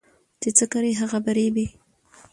چي څه کرې هغه به رېبې